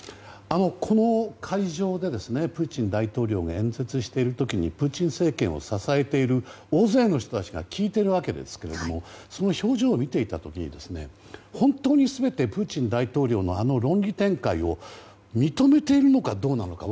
この会場で、プーチン大統領が演説している時にプーチン政権を支えている大勢の人たちが聞いているわけですがその表情を見ていた時に本当に全てプーチン大統領の論理展開を認めているのかどうなのか。